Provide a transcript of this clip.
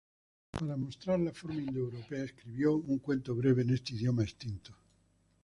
Para mostrar la forma indoeuropea escribió un cuento breve en este idioma extinto.